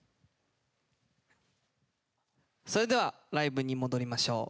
それではＬＩＶＥに戻りましょう。